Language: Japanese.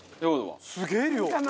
すげえ量！